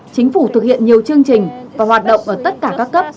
chính phủ thực hiện nhiều chương trình và hoạt động ở tất cả các cấp